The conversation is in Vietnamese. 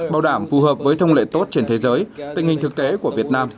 bảo đảm phù hợp với thông lệ tốt trên thế giới tình hình thực tế của việt nam